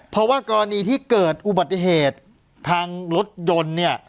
เพราะว่ากรณีที่เกิดอุบัติเหตุทางรถยนต์เนี่ย